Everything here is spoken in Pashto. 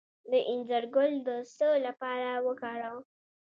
د انځر ګل د څه لپاره وکاروم؟